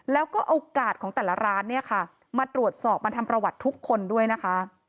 แล้วก็เอากาดของแต่ละร้านเนี่ยค่ะมาตรวจสอบมาทำประวัติทุกคนด้วยนะคะ